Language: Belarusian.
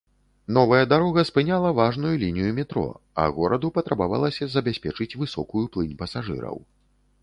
Новая дарога спыняла важную лінію метро, а гораду патрабавалася забяспечыць высокую плынь пасажыраў.